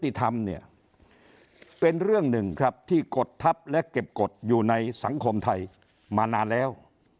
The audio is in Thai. ทำเนี่ยเป็นเรื่องหนึ่งครับที่กดทัพและเก็บกฎอยู่ในสังคมไทยมานานแล้ว